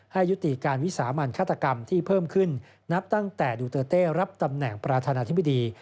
ยุติการวิสามันฆาตกรรมที่เพิ่มขึ้นนับตั้งแต่ดูเตอร์เต้รับตำแหน่งประธานาธิบดี